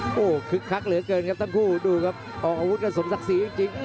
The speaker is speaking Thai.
โอ้โหคึกคักเหลือเกินครับทั้งคู่ดูครับออกอาวุธกันสมศักดิ์ศรีจริง